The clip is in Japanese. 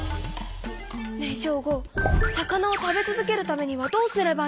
ねえショーゴ魚を食べ続けるためにはどうすればいいの？